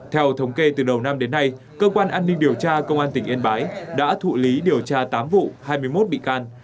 theo thống kê từ đầu năm đến nay cơ quan an ninh điều tra công an tỉnh yên bái đã thụ lý điều tra tám vụ hai mươi một bị can